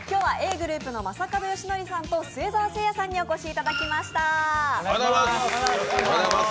ｇｒｏｕｐの正門良規さんと末澤誠也さんにお越しいただきました。